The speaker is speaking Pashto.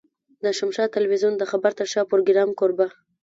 د شمشاد ټلوېزيون د خبر تر شا پروګرام کوربه.